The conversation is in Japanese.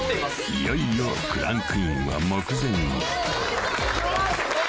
［いよいよクランクインは目前に］